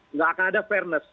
nggak akan ada fairness